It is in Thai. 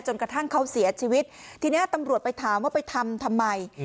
กระทั่งเขาเสียชีวิตทีนี้ตำรวจไปถามว่าไปทำทำไม